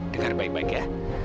dengar baik baik ya